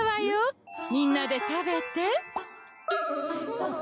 みんなで食べて。